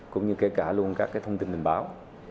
cũng như kể cả luôn các cái thông tin bình báo